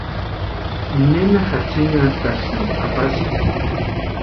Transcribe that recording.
¿Nena jatsinhantasïni apasikwa?